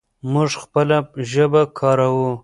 موږ خپله ژبه کاروو.